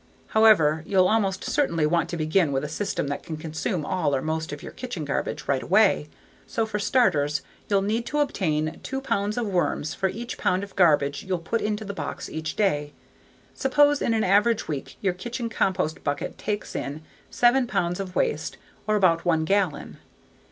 However, you'll almost certainly want to begin with a system that can consume all or most of your kitchen garbage right away. So for starters you'll need to obtain two pounds of worms for each pound of garbage you'll put into the box each day. Suppose in an average week your kitchen compost bucket takes in seven pounds of waste or about one gallon.